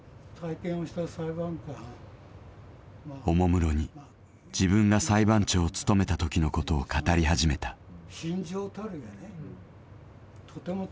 おもむろに自分が裁判長を務めたときのことを語り始めた。